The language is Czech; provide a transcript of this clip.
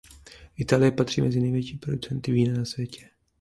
Itálie patří mezi největší producenty vína na světě.